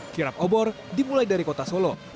kirap obor dimulai dari kota solo